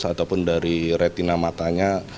ataupun dari retina matanya